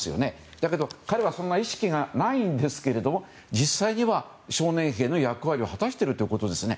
だけど彼はそんな意識がないんですけど実際には少年兵の役割を果たしてるということですね。